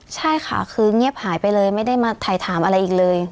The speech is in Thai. ใช่ค่ะคือเงียบหายไปเลยไม่ได้มาถ่ายถามอะไรอีกเลย